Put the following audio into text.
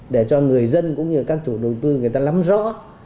để cho người dân cũng như các chủ đầu tư người ta lắm rõ